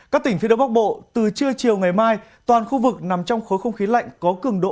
các tỉnh phía đông bắc bộ từ trưa chiều ngày mai toàn khu vực nằm trong khối không khí lạnh có cường độ